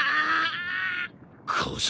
小僧。